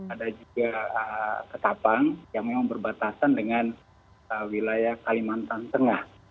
ada juga ketapang yang memang berbatasan dengan wilayah kalimantan tengah